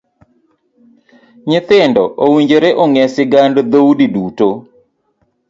Nyithindo owinjore ong'e sigand dhoudi duto.